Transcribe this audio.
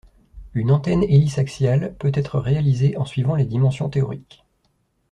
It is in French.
Une antenne hélice axiale peut être réalisée en suivant les dimensions théoriques.